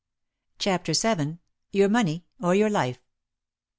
CHAPTER VII. "YOUR MONEY OR YOUR LIFE."